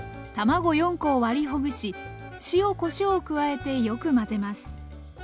卵４コを割りほぐし塩・こしょうを加えてよく混ぜます。